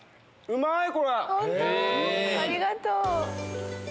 うまい！